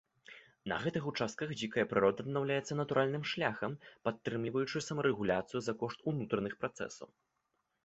На гэтых участках дзікая прырода аднаўляецца натуральным шляхам, падтрымліваючы самарэгуляцыю за кошт унутраных працэсаў.